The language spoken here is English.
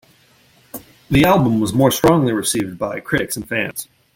The album was more strongly received by critics and fans.